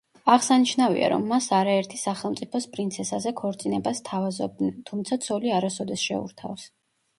აღსანიშნავია, რომ მას არაერთი სახელმწიფოს პრინცესაზე ქორწინებას სთავაზობდნენ, თუმცა ცოლი არასოდეს შეურთავს.